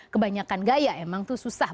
kebanyakan gaya emang tuh susah